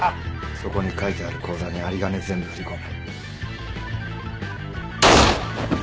そこに書いてある口座に有り金全部振り込め。